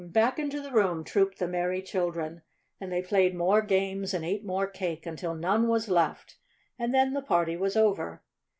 And back into the room trooped the merry children, and they played more games and ate more cake until none was left, and then the party was over.